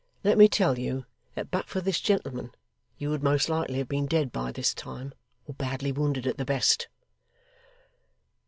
Let me tell you that but for this gentleman, you would most likely have been dead by this time, or badly wounded at the best.